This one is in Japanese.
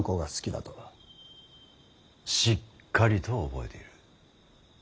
しっかりと覚えている。